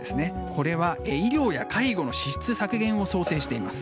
これは医療や介護の支出削減を想定しています。